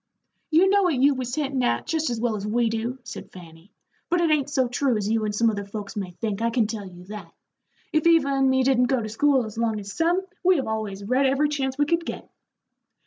"You know what you was hintin' at, jest as well as we do," said Fanny; "but it ain't so true as you and some other folks may think, I can tell you that. If Eva and me didn't go to school as long as some, we have always read every chance we could get."